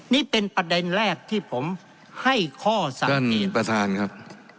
นี่เป็นประเด็นแรกที่ผมให้ข้อสั่งนั่นนี่ประธานครับ